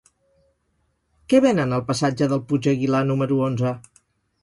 Què venen al passatge del Puig Aguilar número onze?